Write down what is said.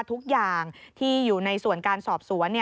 ทุกอย่างที่อยู่ในส่วนการสอบสวน